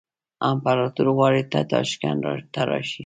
امپراطور غواړي ته تاشکند ته راشې.